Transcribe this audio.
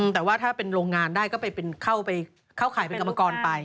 แต่ว่าถ้าเป็นโรงงานได้ก็ไปเข้าข่ายเป็นกรรมกรไป